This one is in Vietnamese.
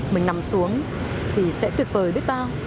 mình nằm xuống thì sẽ tuyệt vời biết bao